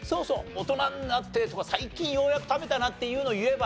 大人になってとか最近ようやく食べたなっていうのを言えば。